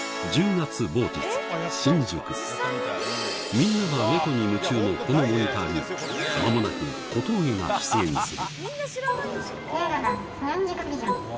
みんなが猫に夢中のこのモニターに間もなく小峠が出現する